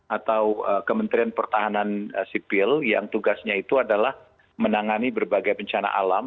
atau kementerian pertahanan sipil yang tugasnya itu adalah menangani berbagai bencana alam